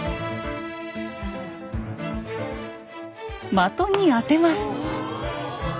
的に当てます。